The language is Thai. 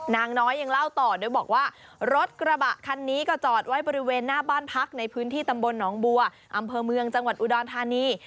นางน้อยยังเล่าต่อโดยบอกว่ารถกระบะคันนี้ก็จอดไว้บริเวณหน้าบ้านพักในพื้นที่ตำบลหนองบัวอำเภอเมืองจังหวัดอุดรธานี